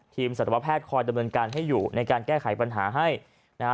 สัตวแพทย์คอยดำเนินการให้อยู่ในการแก้ไขปัญหาให้นะฮะ